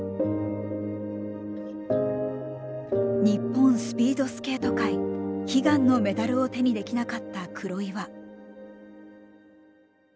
日本スピードスケート界悲願のメダルを手にできなかった黒岩。